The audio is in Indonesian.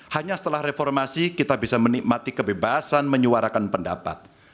hanya setelah reformasi kita bisa menikmati kebebasan menyuarakan pendapat